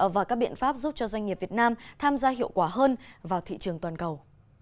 và các biện pháp giúp cho doanh nghiệp việt nam tham gia hiệu quả hơn vào thị trường toàn cầu